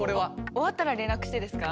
終わったら連絡してですか？